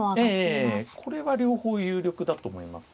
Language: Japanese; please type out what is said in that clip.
ええこれは両方有力だと思います。